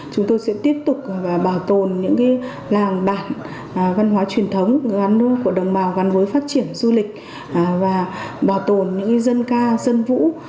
chúng tôi sẽ tiếp tục bảo tồn những làng bản văn hóa truyền thống gắn với phát triển du lịch và bảo tồn những dân ca dân vũ